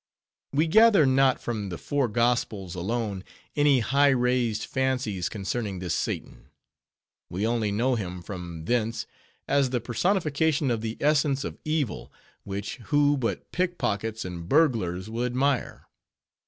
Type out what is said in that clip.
We gather not from the four gospels alone, any high raised fancies concerning this Satan; we only know him from thence as the personification of the essence of evil, which, who but pickpockets and burglars will admire?